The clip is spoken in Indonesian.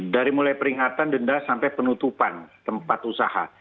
dari mulai peringatan denda sampai penutupan tempat usaha